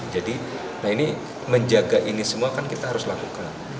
jadi nah ini menjaga ini semua kan kita harus lakukan